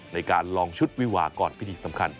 ในการลองชุดวิวาก่อนพิธีสำคัญ